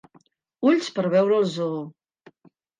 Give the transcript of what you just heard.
Ulls per veure el zoo.